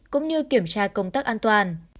cũng như kiểm tra công tắc an toàn